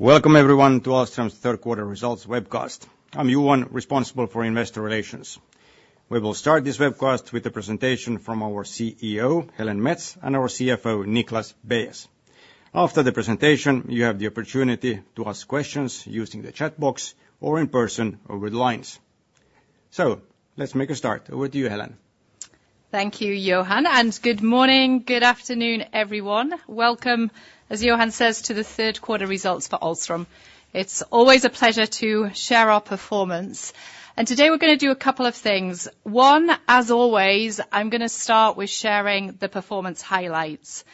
Welcome, everyone, to Ahlstrom's Q3 results webcast. I'm Johan, responsible for investor relations. We will start this webcast with a presentation from our CEO, Helen Mets, and our CFO, Niklas Beyes. After the presentation, you have the opportunity to ask questions using the chat box or in person over the lines. So let's make a start. Over to you, Helen. Thank you, Johan. And good morning, good afternoon, everyone. Welcome, as Johan says, to the Q3 results for Ahlstrom. It's always a pleasure to share our performance. And today we're going to do a couple of things. One, as always, I'm going to start with sharing the performance highlights.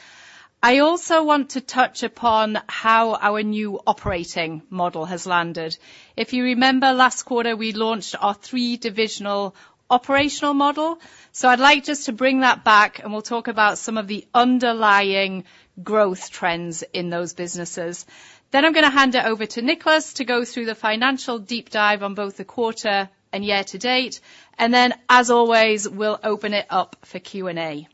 I also want to touch upon how our new operating model has landed. If you remember, last quarter we launched our three-divisional operational model. So I'd like just to bring that back, and we'll talk about some of the underlying growth trends in those businesses. Then I'm going to hand it over to Niklas to go through the financial deep dive on both the quarter and year to date. And then, as always, we'll open it up for Q&A.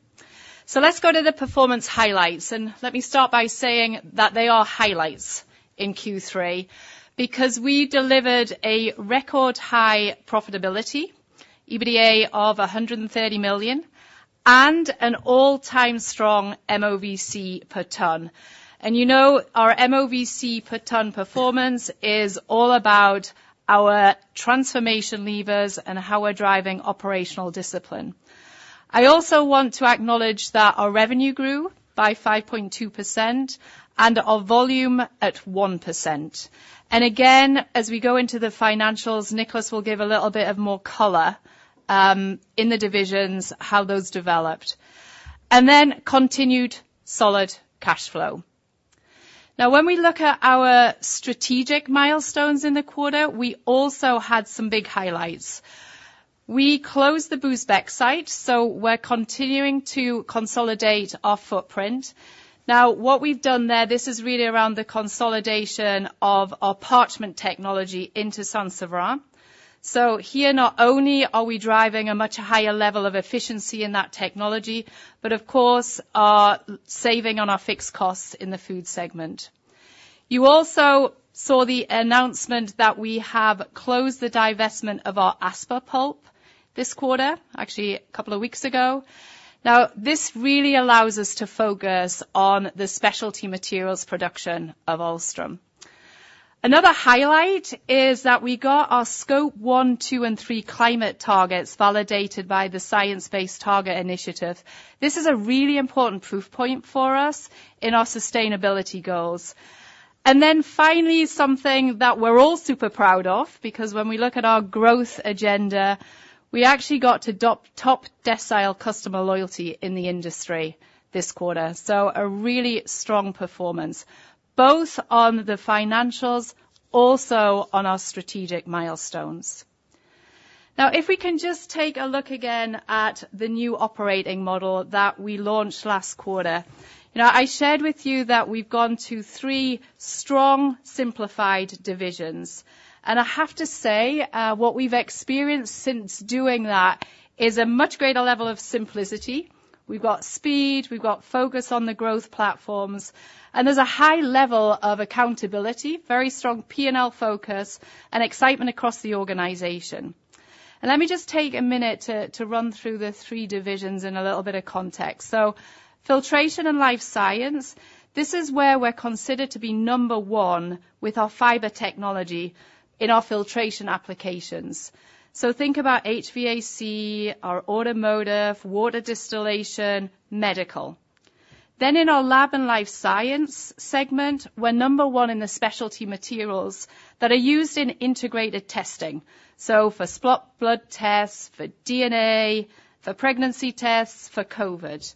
So let's go to the performance highlights. And let me start by saying that they are highlights in Q3 because we delivered a record high profitability, EBITDA of 130 million, and an all-time strong MOVC per tonne. And you know our MOVC per tonne performance is all about our transformation levers and how we're driving operational discipline. I also want to acknowledge that our revenue grew by 5.2% and our volume at 1%. And again, as we go into the financials, Niklas will give a little bit of more color in the divisions, how those developed, and then continued solid cash flow. Now, when we look at our strategic milestones in the quarter, we also had some big highlights. We closed the Bousbecque site, so we're continuing to consolidate our footprint. Now, what we've done there, this is really around the consolidation of our parchment technology into Saint-Séverin. So here, not only are we driving a much higher level of efficiency in that technology, but of course, saving on our fixed costs in the food segment. You also saw the announcement that we have closed the divestment of our Aspa pulp this quarter, actually a couple of weeks ago. Now, this really allows us to focus on the specialty materials production of Ahlstrom. Another highlight is that we got our Scope 1, 2, and 3 climate targets validated by the Science Based Targets initiative. This is a really important proof point for us in our sustainability goals. And then finally, something that we're all super proud of, because when we look at our growth agenda, we actually got to top decile customer loyalty in the industry this quarter. So a really strong performance, both on the financials, also on our strategic milestones. Now, if we can just take a look again at the new operating model that we launched last quarter, I shared with you that we've gone to three strong, simplified divisions, and I have to say, what we've experienced since doing that is a much greater level of simplicity. We've got speed, we've got focus on the growth platforms, and there's a high level of accountability, very strong P&L focus, and excitement across the organization, and let me just take a minute to run through the three divisions in a little bit of context, so filtration and life science, this is where we're considered to be number one with our fiber technology in our filtration applications, so think about HVAC, our automotive, water distillation, medical, then in our lab and life science segment, we're number one in the specialty materials that are used in integrated testing. So for spot blood tests, for DNA, for pregnancy tests, for COVID.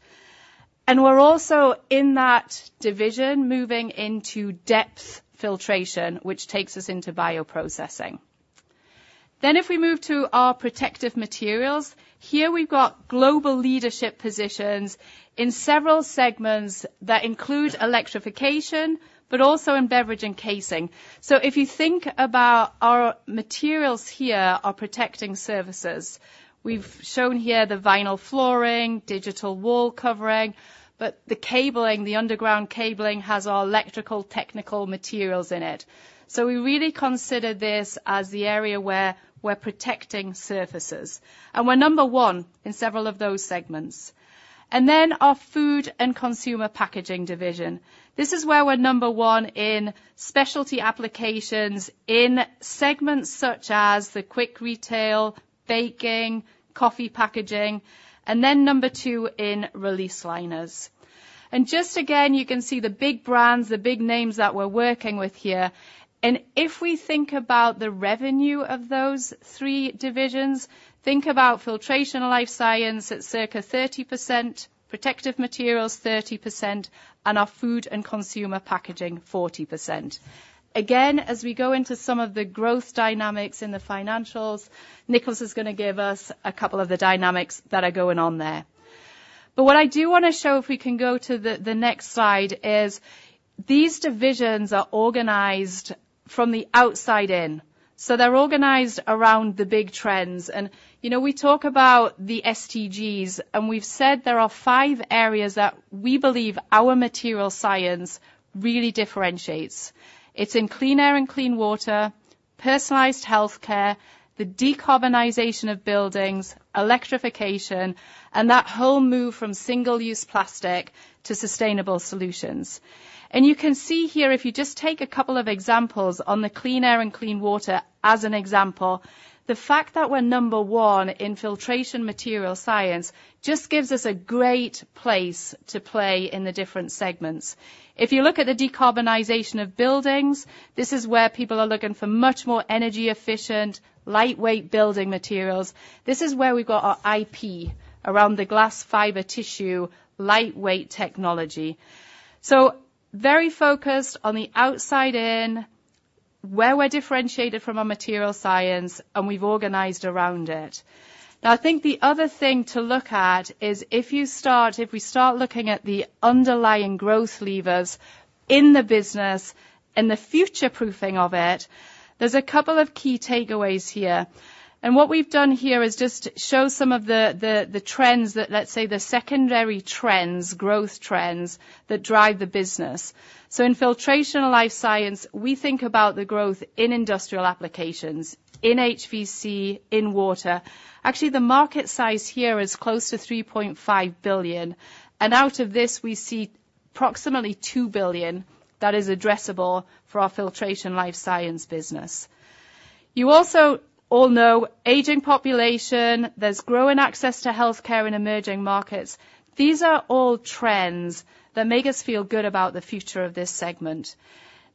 And we're also in that division moving into depth filtration, which takes us into bioprocessing. Then if we move to our protective materials, here we've got global leadership positions in several segments that include electrification, but also in beverage and casing. So if you think about our materials here, our protective services, we've shown here the vinyl flooring, digital wall covering, but the cabling, the underground cabling has our electrotechnical materials in it. So we really consider this as the area where we're protecting surfaces. And we're number one in several of those segments. And then our food and consumer packaging division. This is where we're number one in specialty applications in segments such as the quick retail, baking, coffee packaging, and then number two in release liners. Just again, you can see the big brands, the big names that we're working with here. If we think about the revenue of those three divisions, think about filtration and life science at circa 30%, protective materials 30%, and our food and consumer packaging 40%. Again, as we go into some of the growth dynamics in the financials, Niklas is going to give us a couple of the dynamics that are going on there. What I do want to show, if we can go to the next slide, is these divisions are organized from the outside in. So they're organized around the big trends. We talk about the SDGs, and we've said there are five areas that we believe our material science really differentiates. It's in clean air and clean water, personalized healthcare, the decarbonization of buildings, electrification, and that whole move from single-use plastic to sustainable solutions, and you can see here, if you just take a couple of examples on the clean air and clean water as an example, the fact that we're number one in filtration material science just gives us a great place to play in the different segments. If you look at the decarbonization of buildings, this is where people are looking for much more energy-efficient, lightweight building materials. This is where we've got our IP around the glass fiber tissue lightweight technology, so very focused on the outside in, where we're differentiated from our material science, and we've organized around it. Now, I think the other thing to look at is if you start, if we start looking at the underlying growth levers in the business and the future proofing of it, there's a couple of key takeaways here. And what we've done here is just show some of the trends that, let's say, the secondary trends, growth trends that drive the business. So in filtration and life science, we think about the growth in industrial applications, in HVAC, in water. Actually, the market size here is close to 3.5 billion. And out of this, we see approximately 2 billion that is addressable for our filtration life science business. You also all know aging population, there's growing access to healthcare in emerging markets. These are all trends that make us feel good about the future of this segment.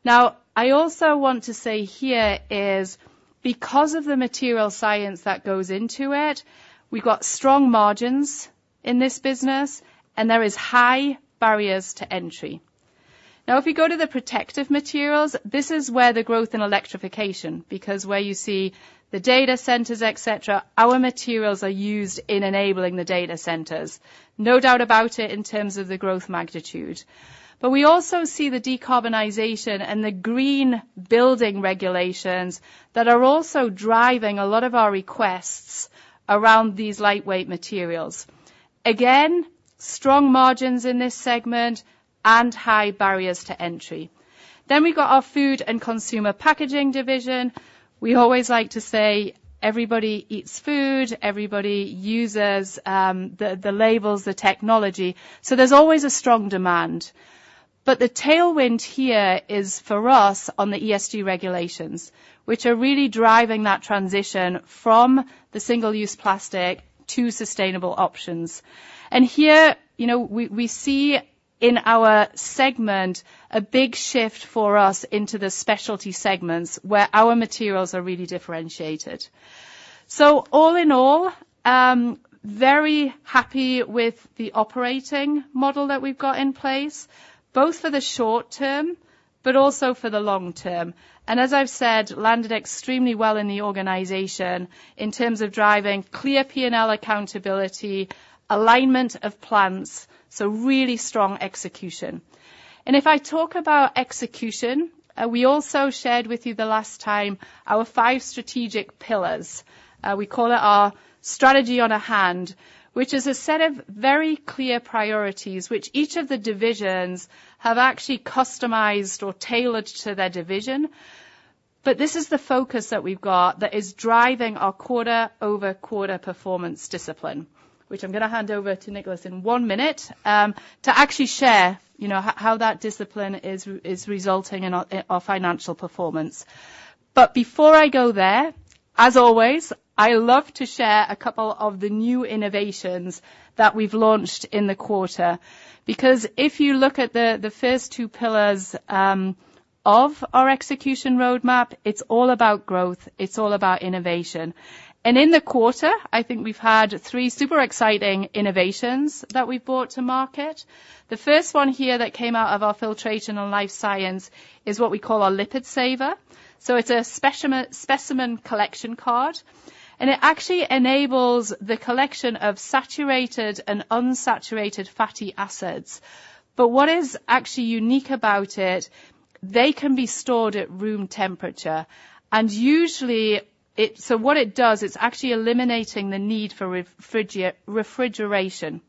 Now, I also want to say here is because of the materials science that goes into it, we've got strong margins in this business, and there are high barriers to entry. Now, if we go to the protective materials, this is where the growth in electrification, because where you see the data centers, etc., our materials are used in enabling the data centers. No doubt about it in terms of the growth magnitude. But we also see the decarbonization and the green building regulations that are also driving a lot of our requests around these lightweight materials. Again, strong margins in this segment and high barriers to entry. Then we've got our food and consumer packaging division. We always like to say everybody eats food, everybody uses the labels, the technology. So there's always a strong demand. But the tailwind here is for us on the ESG regulations, which are really driving that transition from the single-use plastic to sustainable options. And here we see in our segment a big shift for us into the specialty segments where our materials are really differentiated. So all in all, very happy with the operating model that we've got in place, both for the short term, but also for the long term. And as I've said, landed extremely well in the organization in terms of driving clear P&L accountability, alignment of plans, so really strong execution. And if I talk about execution, we also shared with you the last time our five strategic pillars. We call it our strategy on a hand, which is a set of very clear priorities, which each of the divisions have actually customized or tailored to their division. But this is the focus that we've got that is driving our quarter-over-quarter performance discipline, which I'm going to hand over to Niklas in one minute to actually share how that discipline is resulting in our financial performance. But before I go there, as always, I love to share a couple of the new innovations that we've launched in the quarter. Because if you look at the first two pillars of our execution roadmap, it's all about growth, it's all about innovation. And in the quarter, I think we've had three super exciting innovations that we've brought to market. The first one here that came out of our filtration and life science is what we call our LipidSaver. So it's a specimen collection card. And it actually enables the collection of saturated and unsaturated fatty acids. But what is actually unique about it? They can be stored at room temperature. And usually, so what it does, it's actually eliminating the need for refrigeration.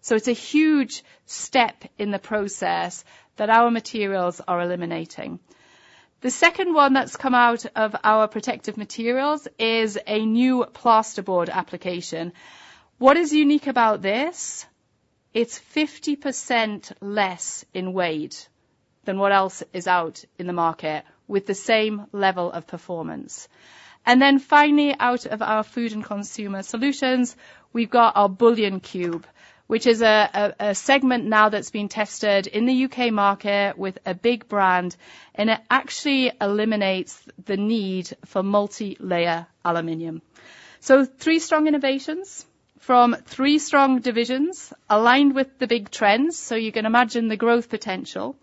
So it's a huge step in the process that our materials are eliminating. The second one that's come out of our protective materials is a new plasterboard application. What is unique about this? It's 50% less in weight than what else is out in the market with the same level of performance. And then finally, out of our food and consumer solutions, we've got our bouillon cube, which is a segment now that's been tested in the UK market with a big brand, and it actually eliminates the need for multi-layer aluminum. So three strong innovations from three strong divisions aligned with the big trends. So you can imagine the growth potential.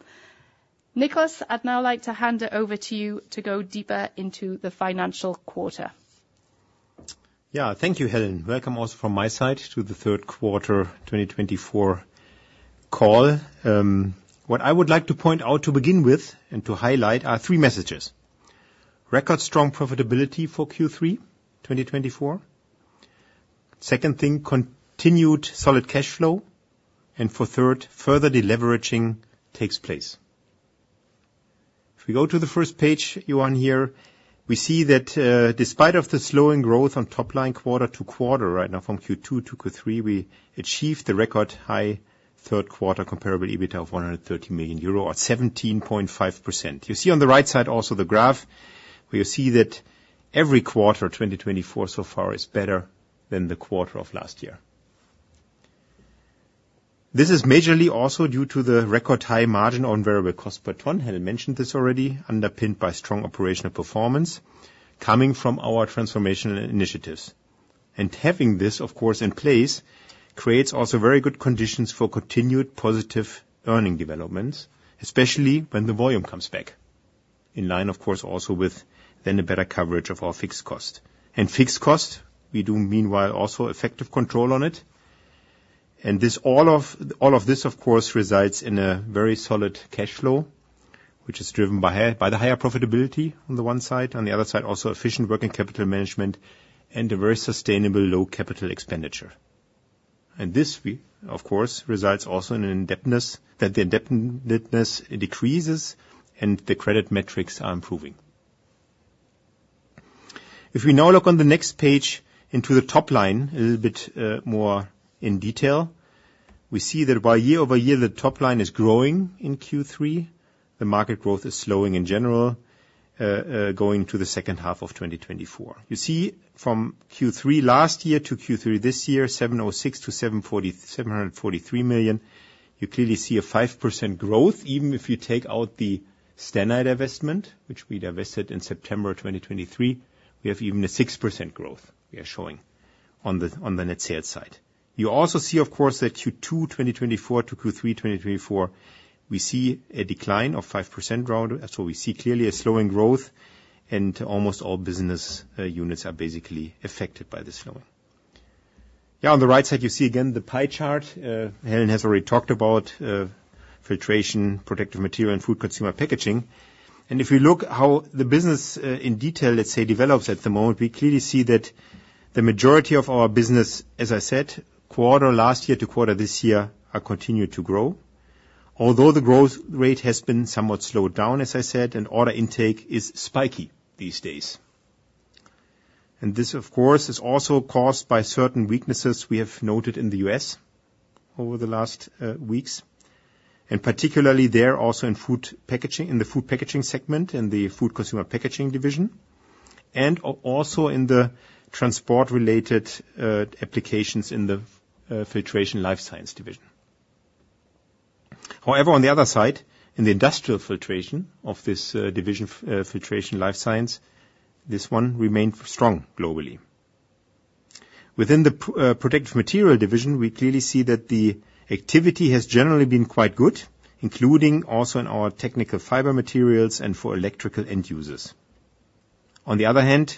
Niklas, I'd now like to hand it over to you to go deeper into the financial quarter. Yeah, thank you, Helen. Welcome also from my side to the Q3 2024 call. What I would like to point out to begin with and to highlight are three messages. Record strong profitability for Q3 2024. Second thing, continued solid cash flow. And for third, further deleveraging takes place. If we go to the first page, Johan here, we see that despite the slowing growth on top line quarter -to- quarter right now from Q2 to Q3, we achieved the record high Q3 comparable EBITDA of € 130 million or 17.5%. You see on the right side also the graph where you see that every quarter 2024 so far is better than the quarter of last year. This is majorly also due to the record high margin on variable cost per ton. Helen mentioned this already, underpinned by strong operational performance coming from our transformation initiatives, and having this, of course, in place creates also very good conditions for continued positive earnings developments, especially when the volume comes back, in line, of course, also with then a better coverage of our fixed cost, and fixed cost, we do meanwhile also effective control on it. And all of this, of course, results in a very solid cash flow, which is driven by the higher profitability on the one side, on the other side, also efficient working capital management and a very sustainable low capital expenditure, and this, of course, results also in an indebtedness that decreases and the credit metrics are improving. If we now look on the next page into the top line a little bit more in detail, we see that by year -over- year, the top line is growing in Q3. The market growth is slowing in general, going to the second half of 2024. You see from Q3 last year to Q3 this year, 706-743 million. You clearly see a 5% growth. Even if you take out the Stenqvist divestment, which we divested in September 2023, we have even a 6% growth we are showing on the net sales side. You also see, of course, that Q2 2024 to Q3 2024, we see a decline of 5%. So we see clearly a slowing growth, and almost all business units are basically affected by this slowing. Yeah, on the right side, you see again the pie chart. Helen has already talked about filtration, protective material, and food consumer packaging, and if you look how the business in detail, let's say, develops at the moment, we clearly see that the majority of our business, as I said, quarter last year to quarter this year are continued to grow, although the growth rate has been somewhat slowed down, as I said, and order intake is spiky these days, and this, of course, is also caused by certain weaknesses we have noted in the U.S. over the last weeks, and particularly there also in food packaging, in the food packaging segment, in the food consumer packaging division, and also in the transport-related applications in the filtration life science division. However, on the other side, in the industrial filtration of this division, filtration life science, this one remained strong globally. Within the protective material division, we clearly see that the activity has generally been quite good, including also in our technical fiber materials and for electrical end users. On the other hand,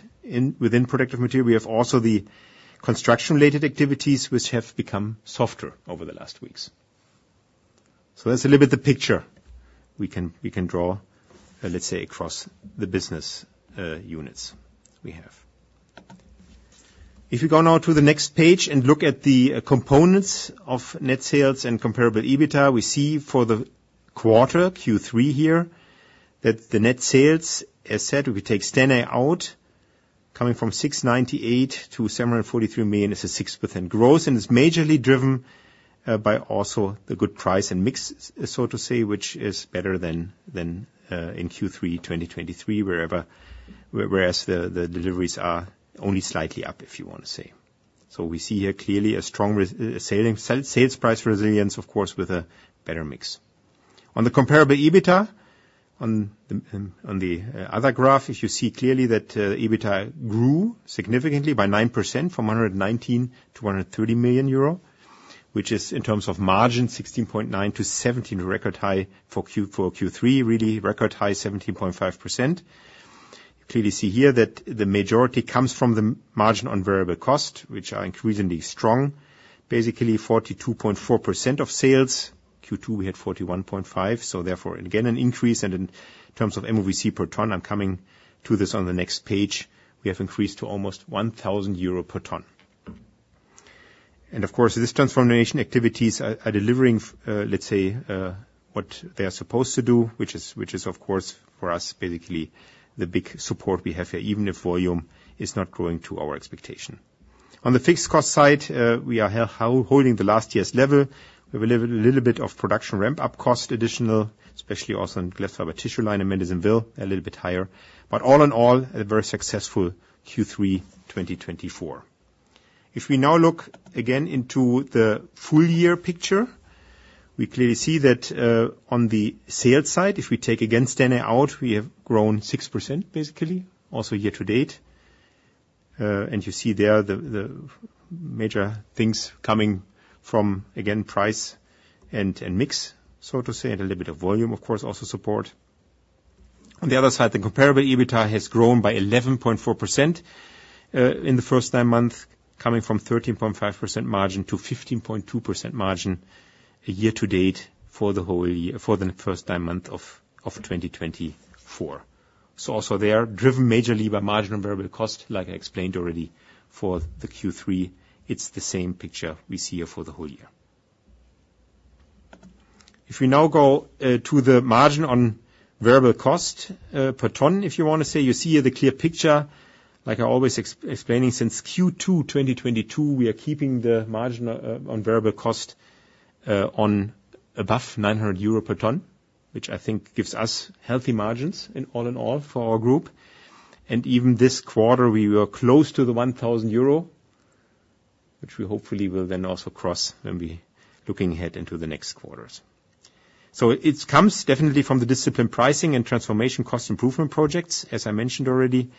within protective material, we have also the construction-related activities, which have become softer over the last weeks. So that's a little bit the picture we can draw, let's say, across the business units we have. If you go now to the next page and look at the components of net sales and comparable EBITDA, we see for the Q3 here that the net sales, as said, we could take Stenqvist out, coming from € 698 to € 743 million is a 6% growth, and it's majorly driven by also the good price and mix, so to say, which is better than in Q3 2023, whereas the deliveries are only slightly up, if you want to say. So we see here clearly a strong sales price resilience, of course, with a better mix. On the comparable EBITDA, on the other graph, you see clearly that EBITDA grew significantly by 9% from €119 to €130 million, which is in terms of margin 16.9% to 17%, a record high for Q3, really record high 17.5%. You clearly see here that the majority comes from the margin on variable cost, which are increasingly strong, basically 42.4% of sales. Q2, we had 41.5%, so therefore, again, an increase. And in terms of MOVC per ton, I'm coming to this on the next page, we have increased to almost €1,000 per ton. And of course, these transformation activities are delivering, let's say, what they are supposed to do, which is, of course, for us, basically the big support we have here, even if volume is not growing to our expectation. On the fixed cost side, we are holding the last year's level. We have a little bit of production ramp-up cost additional, especially also in glass fiber tissue line and Madisonville, a little bit higher. But all in all, a very successful Q3 2024. If we now look again into the full year picture, we clearly see that on the sales side, if we take again Stenqvist out, we have grown 6% basically, also year to date. And you see there the major things coming from, again, price and mix, so to say, and a little bit of volume, of course, also support. On the other side, the comparable EBITDA has grown by 11.4% in the first nine months, coming from 13.5% margin to 15.2% margin year to date for the first nine months of 2024. Also there, driven majorly by margin on variable cost, like I explained already for the Q3, it's the same picture we see here for the whole year. If we now go to the margin on variable cost per ton, if you want to say, you see here the clear picture, like I always explaining, since Q2 2022, we are keeping the margin on variable cost above 900 euro per ton, which I think gives us healthy margins all in all for our group. And even this quarter, we were close to the 1,000 euro, which we hopefully will then also cross when we're looking ahead into the next quarters. It comes definitely from the discipline pricing and transformation cost improvement projects, as I mentioned already.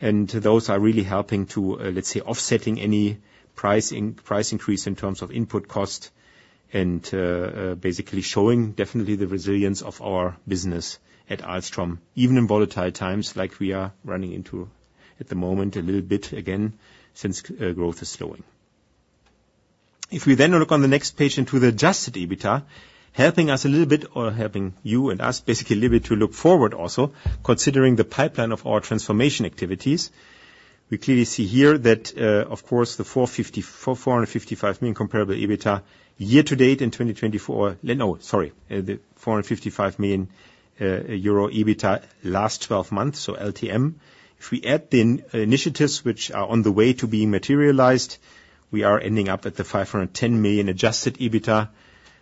Those are really helping to, let's say, offsetting any price increase in terms of input cost and basically showing definitely the resilience of our business at Ahlstrom, even in volatile times like we are running into at the moment a little bit again since growth is slowing. If we then look on the next page into the adjusted EBITDA, helping us a little bit or helping you and us basically a little bit to look forward also, considering the pipeline of our transformation activities, we clearly see here that, of course, the € 455 million comparable EBITDA year to date in 2024, no, sorry, the € 455 million EBITDA last 12 months, so LTM. If we add the initiatives which are on the way to being materialized, we are ending up at the € 510 million adjusted EBITDA,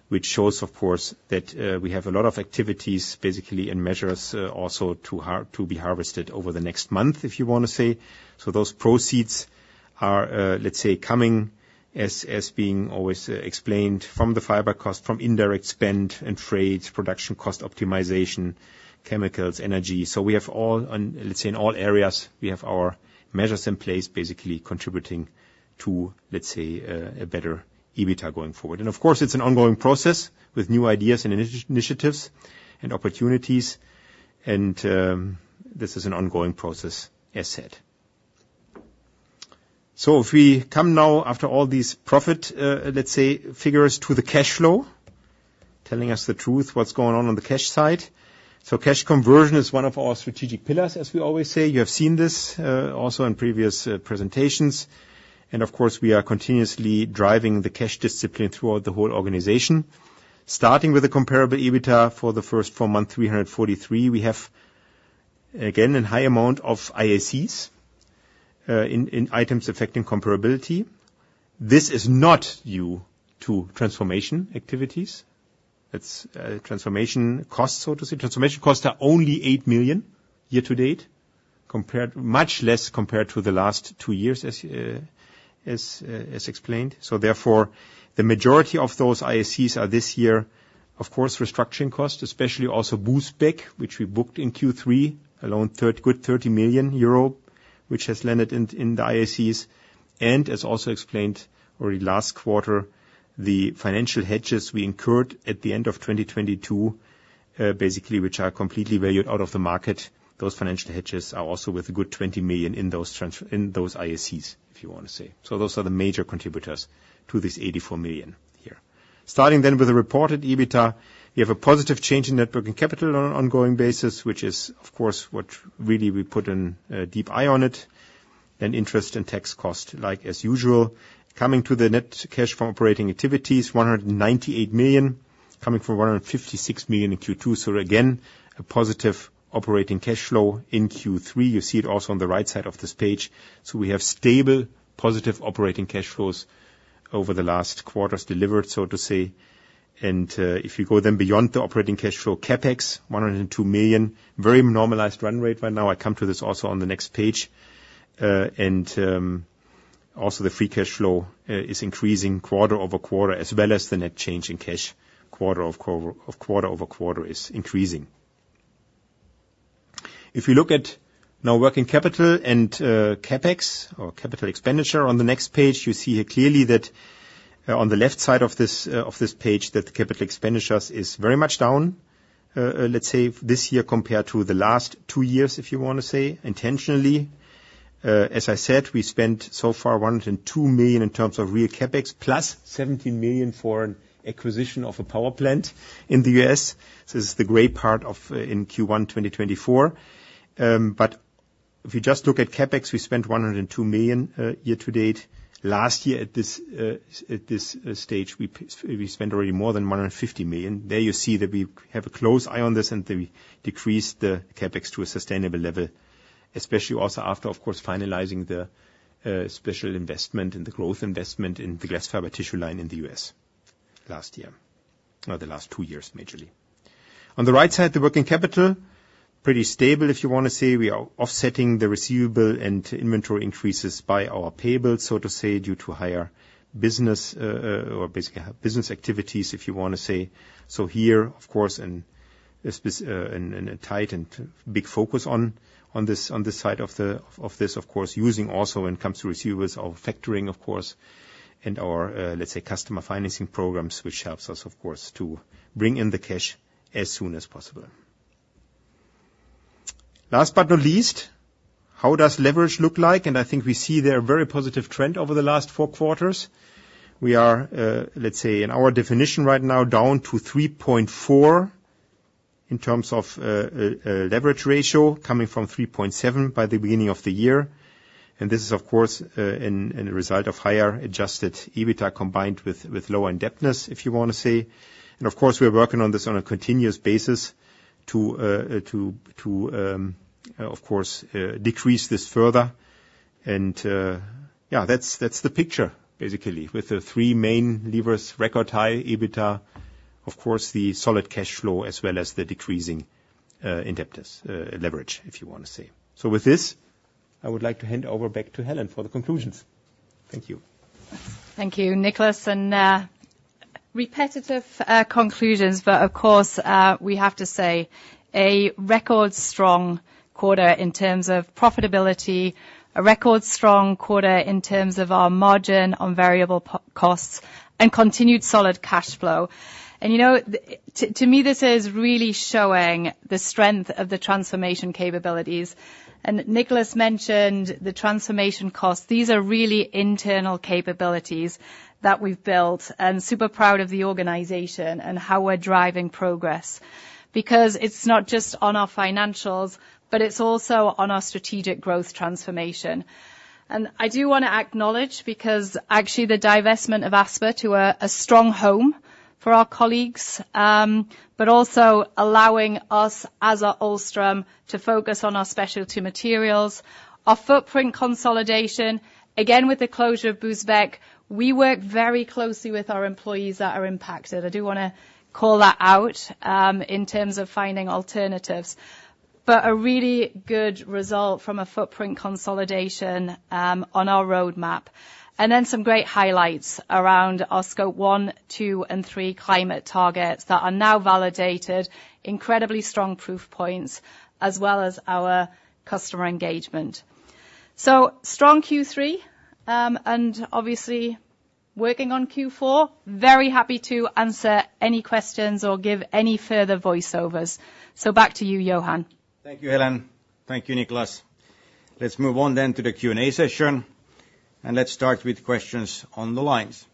which shows, of course, that we have a lot of activities basically and measures also to be harvested over the next month, if you want to say, so those proceeds are, let's say, coming as being always explained from the fiber cost, from indirect spend and trades, production cost optimization, chemicals, energy, so we have all, let's say, in all areas, we have our measures in place basically contributing to, let's say, a better EBITDA going forward, and of course, it's an ongoing process with new ideas and initiatives and opportunities, and this is an ongoing process, as said, so if we come now after all these profit, let's say, figures to the cash flow, telling us the truth, what's going on on the cash side. Cash conversion is one of our strategic pillars, as we always say. You have seen this also in previous presentations. And of course, we are continuously driving the cash discipline throughout the whole organization. Starting with the comparable EBITDA for the first four months, €343, we have again a high amount of IACs in items affecting comparability. This is not due to transformation activities. That's transformation costs, so to say. Transformation costs are only €8 million year to date, much less compared to the last two years, as explained. So therefore, the majority of those IACs are this year, of course, restructuring costs, especially also Bousbecque, which we booked in Q3, a good €30 million, which has landed in the IACs. As also explained already last quarter, the financial hedges we incurred at the end of 2022, basically, which are completely valued out of the market, those financial hedges are also with a good € 20 million in those IACs, if you want to say. Those are the major contributors to this € 84 million here. Starting then with the reported EBITDA, we have a positive change in working capital on an ongoing basis, which is, of course, what really we put a deep eye on it. Then interest and tax cost, like as usual, coming to the net cash from operating activities, € 198 million, coming from € 156 million in Q2. Again, a positive operating cash flow in Q3. You see it also on the right side of this page. We have stable positive operating cash flows over the last quarters delivered, so to say. And if you go then beyond the operating cash flow, CapEx, €102 million, very normalized run rate right now. I come to this also on the next page. And also the free cash flow is increasing quarter -over- quarter, as well as the net change in cash quarter -over -quarter is increasing. If you look at now working capital and CapEx or capital expenditure on the next page, you see here clearly that on the left side of this page, that the capital expenditures is very much down, let's say, this year compared to the last two years, if you want to say, intentionally. As I said, we spent so far €102 million in terms of real CapEx, plus €17 million for an acquisition of a power plant in the U.S. This is the gray part in Q1 2024. But if you just look at CapEx, we spent 102 million year to date. Last year, at this stage, we spent already more than 150 million. There you see that we have a close eye on this and we decreased the CapEx to a sustainable level, especially also after, of course, finalizing the special investment and the growth investment in the glass fiber tissue line in the U.S. last year, or the last two years, majorly. On the right side, the working capital, pretty stable, if you want to say. We are offsetting the receivable and inventory increases by our payables, so to say, due to higher business or basically business activities, if you want to say. Here, of course, a tight and big focus on this side of this, of course, using also when it comes to receivables, our factoring, of course, and our, let's say, customer financing programs, which helps us, of course, to bring in the cash as soon as possible. Last but not least, how does leverage look like? And I think we see there a very positive trend over the last Q4. We are, let's say, in our definition right now, down to 3.4 in terms of leverage ratio, coming from 3.7 by the beginning of the year. And this is, of course, a result of higher adjusted EBITDA combined with lower indebtedness, if you want to say. And of course, we're working on this on a continuous basis to, of course, decrease this further. Yeah, that's the picture, basically, with the three main levers: record high EBITDA, of course, the solid cash flow, as well as the decreasing indebtedness leverage, if you want to say. So with this, I would like to hand over back to Helen for the conclusions. Thank you. Thank you, Niklas. And repetitive conclusions, but of course, we have to say a record strong quarter in terms of profitability, a record strong quarter in terms of our margin on variable costs, and continued solid cash flow. And to me, this is really showing the strength of the transformation capabilities. And Niklas mentioned the transformation costs. These are really internal capabilities that we've built. I'm super proud of the organization and how we're driving progress because it's not just on our financials, but it's also on our strategic growth transformation. And I do want to acknowledge, because actually the divestment of Aspa to a strong home for our colleagues, but also allowing us, as Ahlstrom, to focus on our specialty materials, our footprint consolidation. Again, with the closure of Bousbecque, we work very closely with our employees that are impacted. I do want to call that out in terms of finding alternatives, but a really good result from a footprint consolidation on our roadmap. And then some great highlights around our Scope 1, 2, and 3 climate targets that are now validated, incredibly strong proof points, as well as our customer engagement. So strong Q3, and obviously working on Q4. Very happy to answer any questions or give any further voiceovers. So back to you, Johan. Thank you, Helen. Thank you, Niklas. Let's move on then to the Q&A session, and let's start with questions on the lines.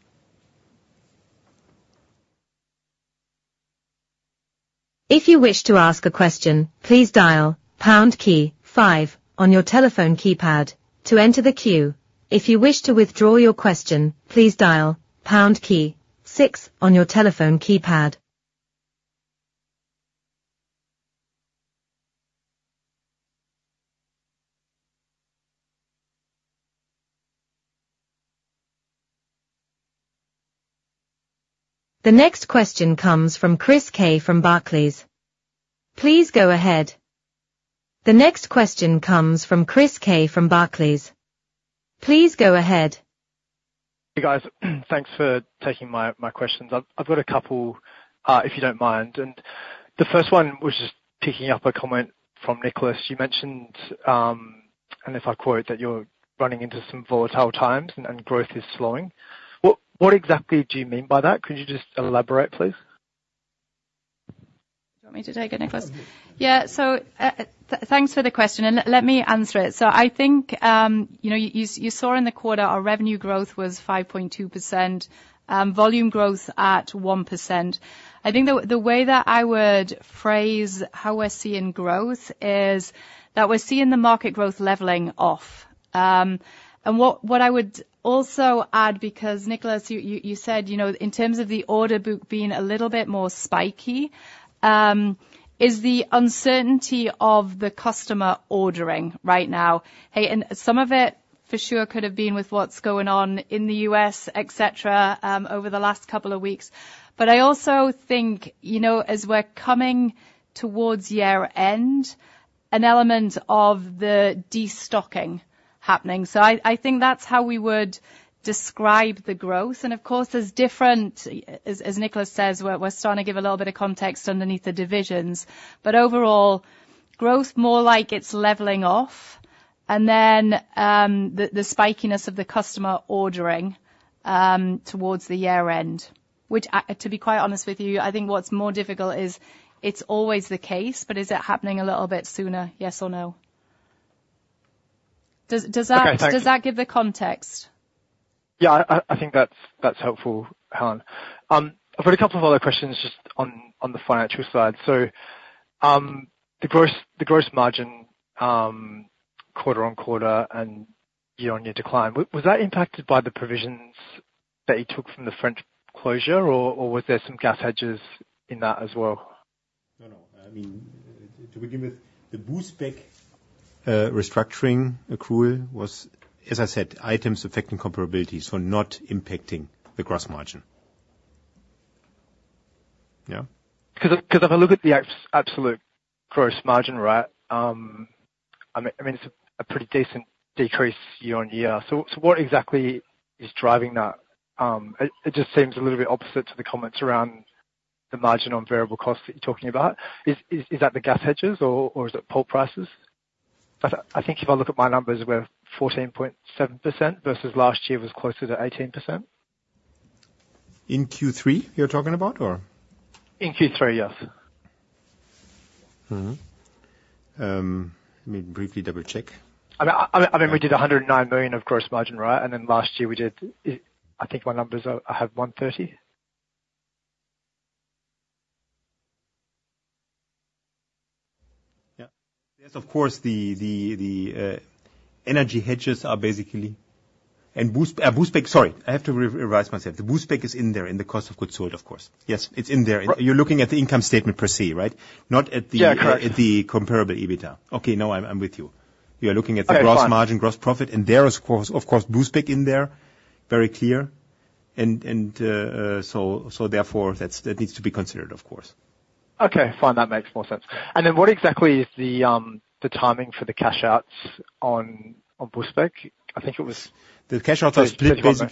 If you wish to ask a question, please dial pound key five on your telephone keypad to enter the queue. If you wish to withdraw your question, please dial pound key six on your telephone keypad. The next question comes from Chris K from Barclays. Please go ahead. Hey, guys. Thanks for taking my questions. I've got a couple, if you don't mind, and the first one was just picking up a comment from Niklas. You mentioned, and if I quote, that you're running into some volatile times and growth is slowing. What exactly do you mean by that? Could you just elaborate, please? Do you want me to take it, Niklas? Yeah. So thanks for the question. And let me answer it. So I think you saw in the quarter our revenue growth was 5.2%, volume growth at 1%. I think the way that I would phrase how we're seeing growth is that we're seeing the market growth leveling off. And what I would also add, because Niklas, you said in terms of the order book being a little bit more spiky, is the uncertainty of the customer ordering right now. And some of it for sure could have been with what's going on in the US, etc., over the last couple of weeks. But I also think as we're coming towards year end, an element of the destocking happening. So I think that's how we would describe the growth. And of course, as Nicholas says, we're starting to give a little bit of context underneath the divisions. But overall, growth more like it's leveling off, and then the spikiness of the customer ordering towards the year end, which, to be quite honest with you, I think what's more difficult is it's always the case, but is it happening a little bit sooner, yes or no? Does that give the context? Yeah, I think that's helpful, Helen. I've got a couple of other questions just on the financial side. So the gross margin quarter -on -quarter and year-on-year decline, was that impacted by the provisions that you took from the French closure, or was there some gas hedges in that as well? No, no. I mean, to begin with, the Bousbecque restructuring accrual was, as I said, items affecting comparability, so not impacting the gross margin. Yeah? Because if I look at the absolute gross margin, right, I mean, it's a pretty decent decrease year -on- year. So what exactly is driving that? It just seems a little bit opposite to the comments around the margin on variable costs that you're talking about. Is that the gas hedges, or is it pulp prices? I think if I look at my numbers, we're 14.7% versus last year was closer to 18%. In Q3, you're talking about, or? In Q3, yes. Let me briefly double-check. I mean, we did 109 million of gross margin, right? And then last year we did, I think my numbers are have 130? Yes. Of course, the energy hedges are basically and Bousbecque, sorry, I have to revise myself. The Bousbecque is in there in the cost of goods sold, of course. Yes, it's in there. You're looking at the income statement per se, right? Not at the comparable EBITDA. Okay, no, I'm with you. You're looking at the gross margin, gross profit, and there is, of course, Bousbecque in there, very clear. And so therefore, that needs to be considered, of course. Okay, fine. That makes more sense. And then what exactly is the timing for the cash outs on Bousbecque? I think it was. The cash outs are split basically. The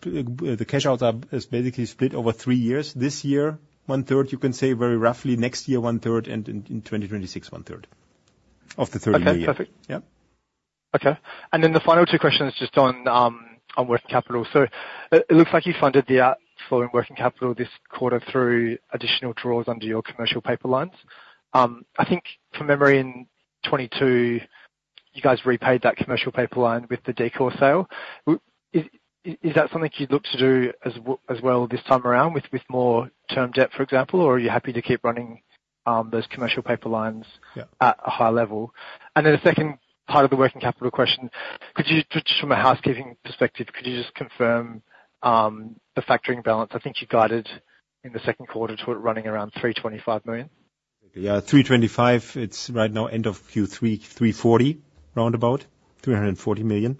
boost back? Yeah, the cash outs are basically split over three years. This year, one-third, you can say very roughly, next year, one-third, and in 2026, one-third of the 30 million. And then the final two questions just on working capital. So it looks like you funded the outflow in working capital this quarter through additional draws under your commercial paper lines. I think from memory in 2022, you guys repaid that commercial paper line with the Decor sale. Is that something you'd look to do as well this time around with more term debt, for example, or are you happy to keep running those commercial paper lines at a high level? And then the second part of the working capital question, just from a housekeeping perspective, could you just confirm the factoring balance? I think you guided in the Q2 to it running around 325 million. Yeah, €325. It's right now end of Q3, €340 roundabout, €340 million.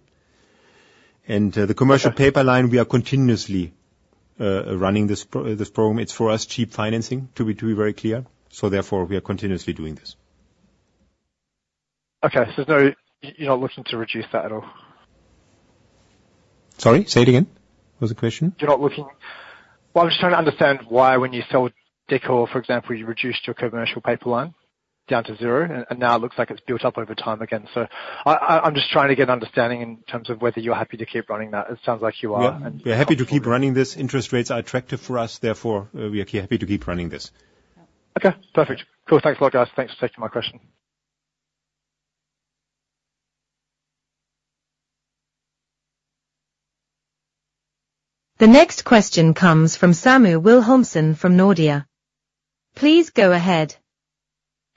And the commercial paper line, we are continuously running this program. It's for us cheap financing, to be very clear. So therefore, we are continuously doing this. Okay. So you're not looking to reduce that at all? Sorry, say it again. What was the question? You're not looking? Well, I'm just trying to understand why when you sold Decor, for example, you reduced your commercial paper line down to zero, and now it looks like it's built up over time again. So I'm just trying to get an understanding in terms of whether you're happy to keep running that. It sounds like you are. Yeah, we're happy to keep running this. Interest rates are attractive for us. Therefore, we are happy to keep running this. Okay, perfect. Cool. Thanks a lot, guys. Thanks for taking my question. The next question comes from Samu Vilhunen from Nordea. Please go ahead.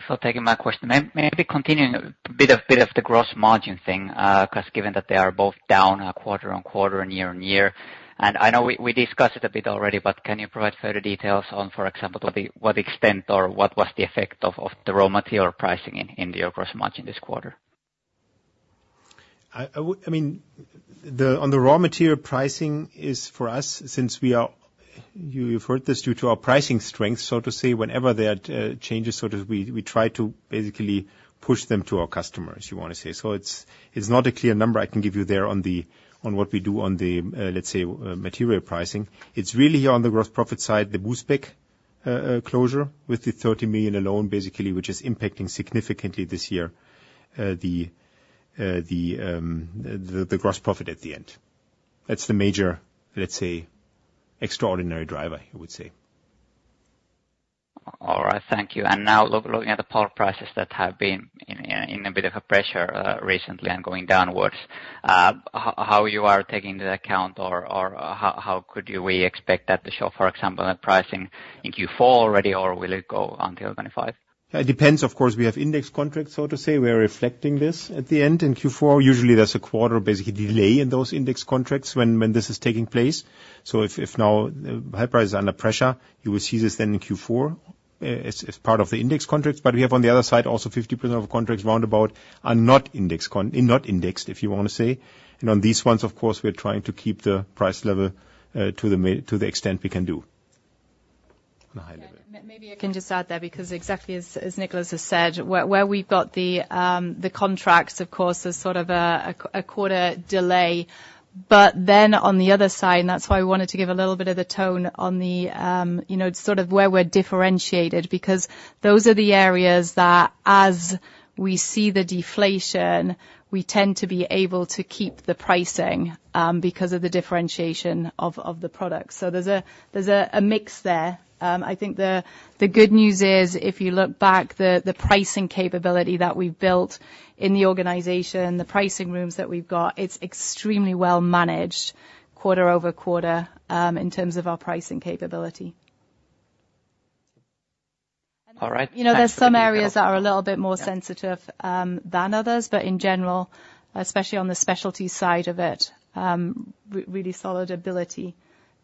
So taking my question, maybe continuing a bit of the gross margin thing, because given that they are both down quarter- on- quarter and year- on- year, and I know we discussed it a bit already, but can you provide further details on, for example, to what extent or what was the effect of the raw material pricing in your gross margin this quarter? I mean, on the raw material pricing is for us, since we are, you've heard this, due to our pricing strength, so to say, whenever there are changes, so to speak, we try to basically push them to our customers, you want to say. So it's not a clear number I can give you there on what we do on the, let's say, material pricing. It's really on the gross profit side, the Bousbecque closure with the 30 million alone, basically, which is impacting significantly this year, the gross profit at the end. That's the major, let's say, extraordinary driver, I would say. All right, thank you. And now looking at the pulp prices that have been in a bit of a pressure recently and going downwards, how you are taking into account, or how could we expect that to show, for example, in pricing in Q4 already, or will it go until 2025? It depends, of course. We have index contracts, so to say. We are reflecting this at the end. In Q4, usually there's a quarter basically delay in those index contracts when this is taking place. So if now high prices are under pressure, you will see this then in Q4 as part of the index contracts. But we have on the other side also 50% of contracts roundabout are not indexed, if you want to say. And on these ones, of course, we're trying to keep the price level to the extent we can do on a high level. Maybe I can just add there because exactly as Niklas has said, where we've got the contracts, of course, there's sort of a quarter delay. But then on the other side, and that's why we wanted to give a little bit of the tone on the sort of where we're differentiated, because those are the areas that as we see the deflation, we tend to be able to keep the pricing because of the differentiation of the products. So there's a mix there. I think the good news is, if you look back, the pricing capability that we've built in the organization, the pricing rooms that we've got, it's extremely well managed quarter -over -quarter in terms of our pricing capability. All right. There's some areas that are a little bit more sensitive than others, but in general, especially on the specialty side of it, really solid ability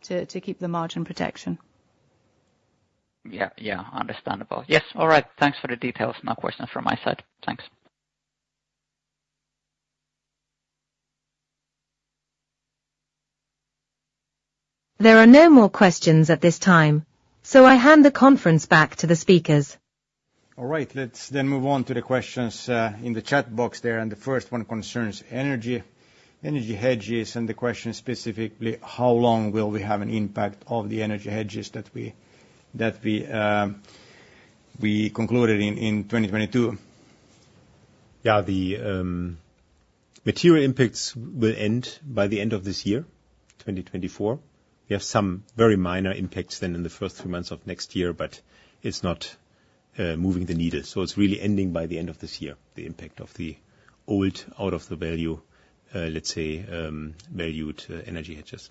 to keep the margin protection. Yeah, yeah, understandable. Yes. All right. Thanks for the details. No questions from my side. Thanks. There are no more questions at this time. So I hand the conference back to the speakers. All right. Let's then move on to the questions in the chat box there, and the first one concerns energy hedges, and the question specifically, how long will we have an impact of the energy hedges that we concluded in 2022? Yeah, the material impacts will end by the end of this year, 2024. We have some very minor impacts then in the first three months of next year, but it's not moving the needle, so it's really ending by the end of this year, the impact of the old out-of-the-value, let's say, valued energy hedges,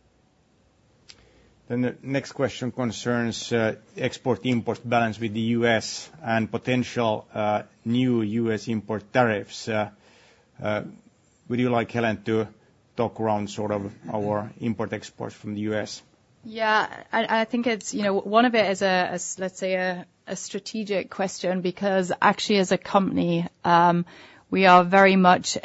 then the next question concerns export-import balance with the U.S. and potential new U.S. import tariffs. Would you like, Helen, to talk around sort of our import-exports from the U.S.? Yeah, I think one of it is, let's say, a strategic question, because actually, as a company, we are very much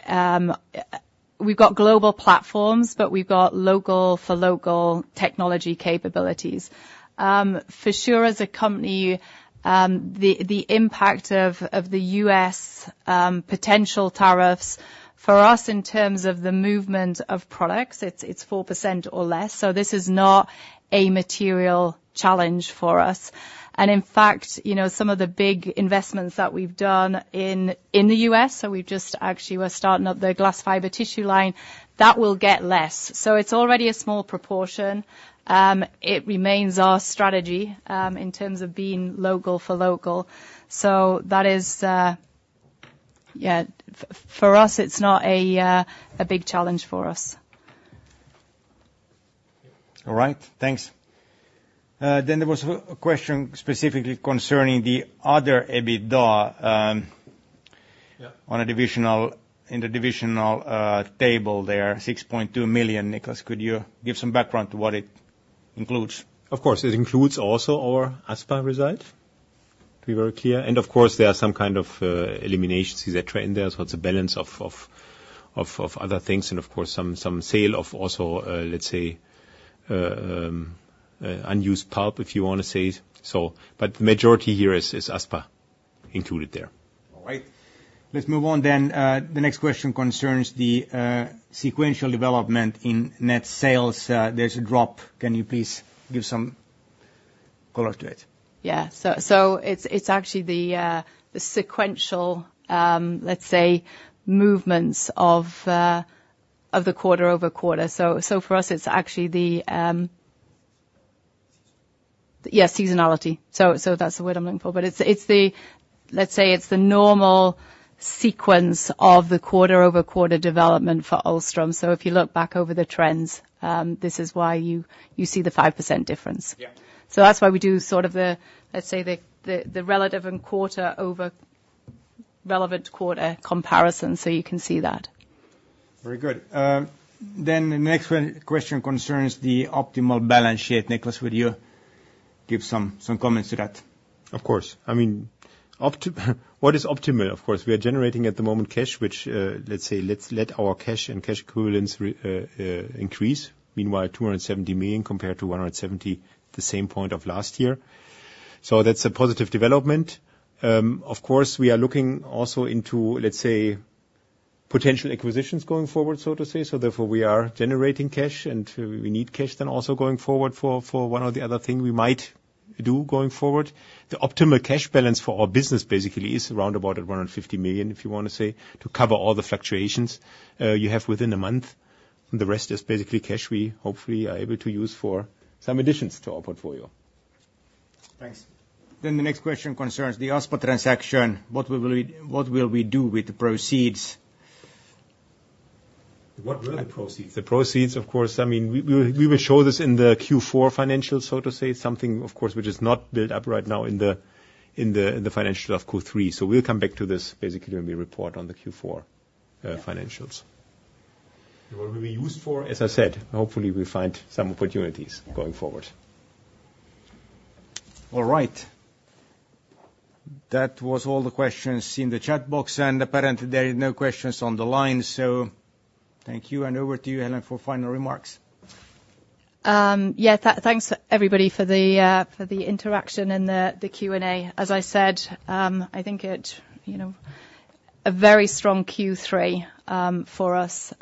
we've got global platforms, but we've got local-for-local technology capabilities. For sure, as a company, the impact of the U.S. potential tariffs for us in terms of the movement of products, it's 4% or less. So this is not a material challenge for us. And in fact, some of the big investments that we've done in the U.S., so we've just actually started up the glass fiber tissue line, that will get less. So it's already a small proportion. It remains our strategy in terms of being local-for-local. So that is, yeah, for us, it's not a big challenge for us. All right, thanks. Then there was a question specifically concerning the other EBITDA in the divisional table there, 6.2 million. Niklas, could you give some background to what it includes? Of course, it includes also our Aspa result to be very clear. And of course, there are some kind of eliminations, etc., in there. So it's a balance of other things. And of course, some sale of also, let's say, unused pulp, if you want to say. But the majority here is Aspa included there. All right. Let's move on then. The next question concerns the sequential development in net sales. There's a drop. Can you please give some color to it? Yeah. So it's actually the sequential, let's say, movements of the quarter- over- quarter. So for us, it's actually the, yeah, seasonality. So that's the word I'm looking for. But let's say it's the normal sequence of the quarter-over-quarter development for Ahlstrom. So if you look back over the trends, this is why you see the 5% difference. So that's why we do sort of the, let's say, the relevant quarter-over-quarter comparison, so you can see that. Very good. Then the next question concerns the optimal balance sheet. Niklas, would you give some comments to that? Of course. I mean, what is optimal? Of course, we are generating at the moment cash, which, let's say, let our cash and cash equivalents increase to 270 million compared to 170 million at the same point of last year. So that's a positive development. Of course, we are looking also into, let's say, potential acquisitions going forward, so to say. So therefore, we are generating cash, and we need cash then also going forward for one or the other thing we might do going forward. The optimal cash balance for our business, basically, is roundabout at 150 million, if you want to say, to cover all the fluctuations you have within a month. The rest is basically cash we hopefully are able to use for some additions to our portfolio. Thanks. Then the next question concerns the Aspa transaction. What will we do with the proceeds? What will the proceeds? The proceeds, of course, I mean, we will show this in the Q4 financials, so to say, something, of course, which is not built up right now in the financials of Q3. So we'll come back to this basically when we report on the Q4 financials. What will we use for? As I said, hopefully, we find some opportunities going forward. All right. That was all the questions in the chat box. And apparently, there are no questions on the line. So thank you. And over to you, Helen, for final remarks. Yeah, thanks everybody for the interaction and the Q&A. As I said, I think it's a very strong Q3 for us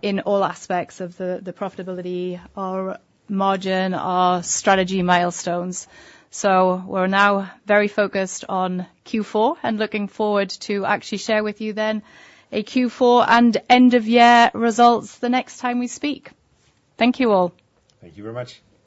in all aspects of the profitability, our margin, our strategy milestones. So we're now very focused on Q4 and looking forward to actually share with you then a Q4 and end of year results the next time we speak. Thank you all. Thank you very much.